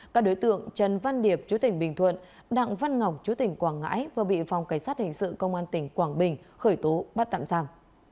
các đối tượng trần văn điệp chú tỉnh bình thuận đặng văn ngọc chú tỉnh quảng ngãi vừa bị phòng cảnh sát hình sự công an tỉnh quảng bình khởi tố bắt tạm giam